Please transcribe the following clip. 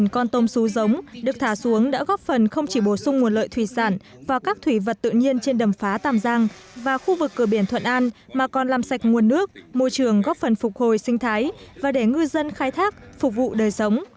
một mươi con tôm xú giống được thả xuống đã góp phần không chỉ bổ sung nguồn lợi thủy sản và các thủy vật tự nhiên trên đầm phá tàm giang và khu vực cửa biển thuận an mà còn làm sạch nguồn nước môi trường góp phần phục hồi sinh thái và để ngư dân khai thác phục vụ đời sống